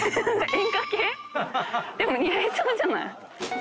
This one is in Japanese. でも似合いそうじゃない？